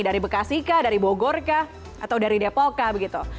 dari bekasika dari bogorka atau dari depokka begitu